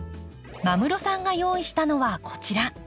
間室さんが用意したのはこちら。